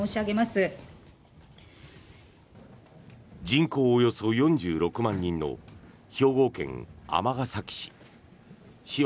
人口およそ４６万人の兵庫県尼崎市。